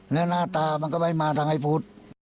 และหน้าตามันก็ไม่มีมาตามไอ้พุธ